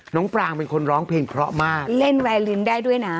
ปรางเป็นคนร้องเพลงเพราะมากเล่นแวลินได้ด้วยนะ